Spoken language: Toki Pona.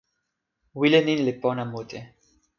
wile ni li pona mute.